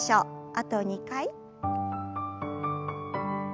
あと２回。